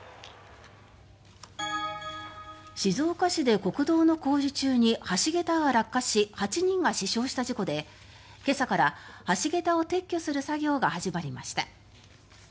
静岡市で国道の工事中に橋桁が落下し８人が死傷した事故で今朝から橋桁を撤去する作業が始まりました。